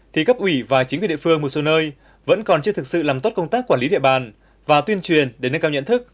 thì cấp ủy và chính quyền địa phương một số nơi vẫn còn chưa thực sự làm tốt công tác quản lý địa bàn và tuyên truyền để nâng cao nhận thức